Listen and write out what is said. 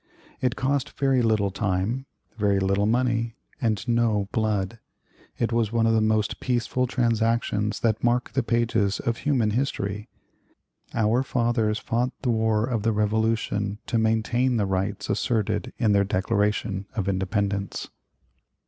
It cost very little time, very little money, and no blood. It was one of the most peaceful transactions that mark the pages of human history. Our fathers fought the war of the Revolution to maintain the rights asserted in their Declaration of Independence."